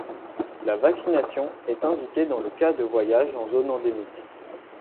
La vaccination est indiquée dans le cas de voyages en zone endémique.